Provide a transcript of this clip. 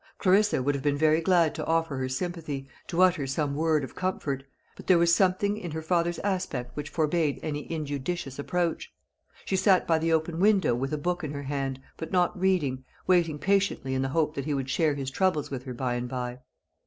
Clarissa would have been very glad to offer her sympathy, to utter some word of comfort; but there was something in her father's aspect which forbade any injudicious approach. She sat by the open window with a book in her hand, but not reading, waiting patiently in the hope that he would share his troubles with her by and by.